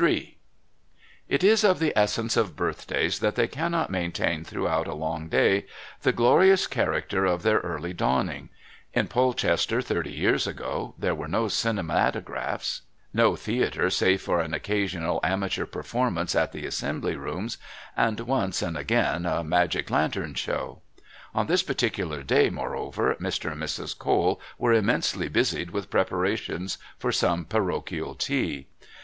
III It is of the essence of birthdays that they cannot maintain throughout a long day the glorious character of their early dawning. In Polchester thirty years ago there were no cinematographs, no theatre save for an occasional amateur performance at the Assembly Rooms and, once and again, a magic lantern show. On this particular day, moreover, Mr. and Mrs. Cole were immensely busied with preparations for some parochial tea.